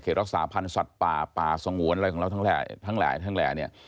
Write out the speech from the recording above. รักษาพันธ์สัตว์ป่าป่าสงวนอะไรของเราทั้งหลายทั้งแหล่เนี่ย